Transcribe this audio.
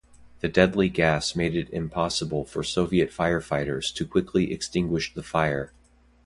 The deadly gas made it impossible for Soviet firefighters to quickly extinguish the fire.